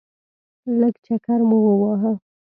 لږ چکر مو وواهه.